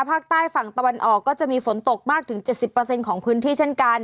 ภาคใต้ฝั่งตะวันออกก็จะมีฝนตกมากถึง๗๐ของพื้นที่เช่นกัน